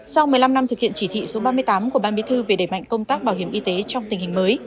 sau một mươi năm năm thực hiện chỉ thị số ba mươi tám của ban bí thư về đẩy mạnh công tác bảo hiểm y tế trong tình hình mới